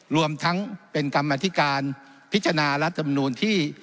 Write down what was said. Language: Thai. รวมทั้งเป็นกรรมธิการพิจารณารัฐมนูลที่